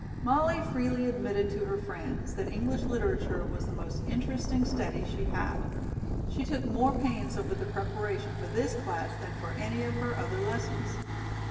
Molly freely admitted to her friends that English Literature was the most interesting study she had. She took more pains over the preparation for this class than for any of her other lessons.